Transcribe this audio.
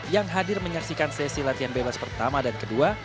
yang hadir menyaksikan sesi latihan bebas pertama dan kedua